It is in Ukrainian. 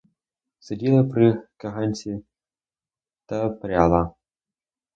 Сиділа при каганці та пряла.